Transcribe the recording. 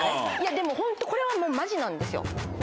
でもホントこれはマジなんですよ。